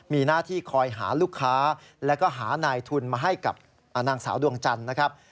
มีหน้าที่คอยหาลูกค้าแล้วก็หานายทุนมาให้กับนางสาวดวงจันทร์นะครับ